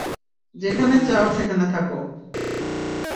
যেখানে চাও সেখানে থাকো।